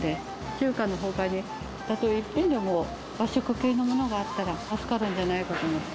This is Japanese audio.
中華のほかに、たとえ一品でも和食系のものがあったら助かるんじゃないかと思って。